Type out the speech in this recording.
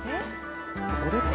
これか。